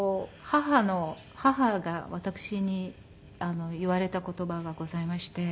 母が私に言われた言葉がございまして。